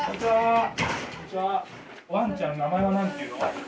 ワンちゃん名前は何ていうの？